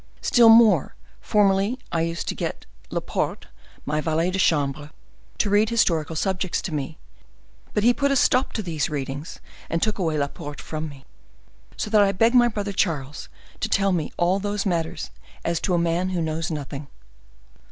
Still more, formerly I used to get Laporte, my valet de chambre, to read historical subjects to me; but he put a stop to these readings, and took away Laporte from me. So that I beg my brother Charles to tell me all those matters as to a man who knows nothing."